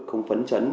không phấn chấn